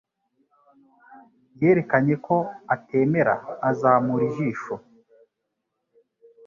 Yerekanye ko atemera azamura ijisho.